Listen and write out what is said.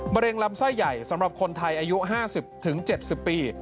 เร็งลำไส้ใหญ่สำหรับคนไทยอายุ๕๐๗๐ปี